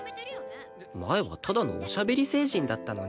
前はただのおしゃべり星人だったのに